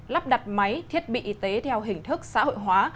lắp đặt máy thiết bị y tế theo hình thức xã hội hóa